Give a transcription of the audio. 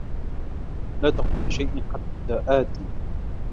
لا تقم بشيء حتى آتي.